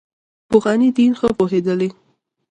پخواني دین ښه پوهېدلي.